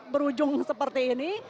berujung seperti ini